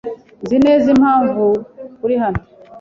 Nzi neza impamvu uri hano.